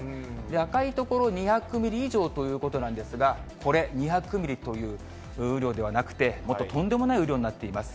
赤い所２００ミリ以上ということなんですが、これ、２００ミリという雨量ではなくて、もっととんでもない雨量になっています。